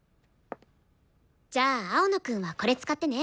じゃあ青野くんはこれ使ってね。